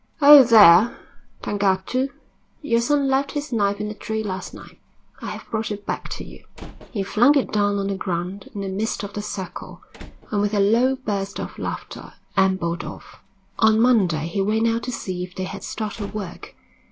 "Oh, there, Tangatu, your son left his knife in a tree last night. I have brought it back to you." He flung it down on the ground in the midst of the circle, and with a low burst of laughter ambled off. On Monday he went out to see if they had started work.